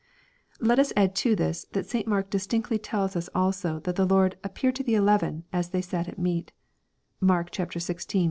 Let us add to this, that St. Mark distintly tells us also, that the Lord " appeared to the eleven, as they sat at meat" (Mark xvi.